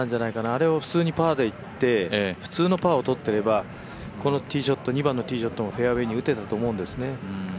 あれを普通にパーでいって、普通にパーをとっていればこの２番のティーショットもフェアウエーに打ててたと思うんですね。